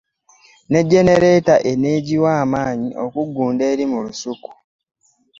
Ne genereeta eneegiwa maanyi okuggunda eri mu lusuku